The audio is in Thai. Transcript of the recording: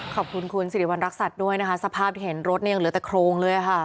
ขอบคุณคุณสิริวัณรักษัตริย์ด้วยนะคะสภาพที่เห็นรถเนี่ยยังเหลือแต่โครงเลยค่ะ